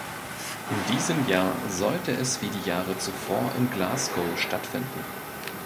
In diesem Jahr sollte es wie die Jahre zuvor in Glasgow stattfinden.